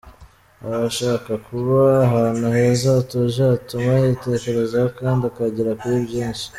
Aba ashaka kuba ahantu heza, hatuje hatuma yitekerezaho kandi akagera kuri byinshi.